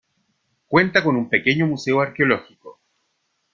Cuenta con un pequeño museo arqueológico.